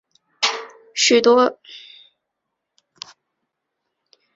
许多程序设计语言都支持利用正则表达式进行字符串操作。